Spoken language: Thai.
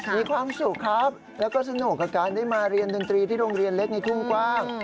มีความสุขครับแล้วก็สนุกกับการได้มาเรียนดนตรีที่โรงเรียนเล็กในทุ่งกว้าง